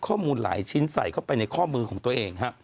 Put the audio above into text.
ข้อมูลหลายชิ้นใส่ไปในข้อมูลของตัวเอง